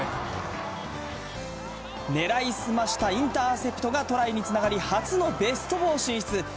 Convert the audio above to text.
狙い澄ましたインターセプトがトライにつながり、初のベスト４進出。